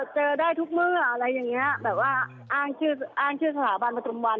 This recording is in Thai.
เจอได้ทุกเมื่ออะไรอย่างนี้แบบว่าอ้างชื่อสถาบันประธุมวันค่ะ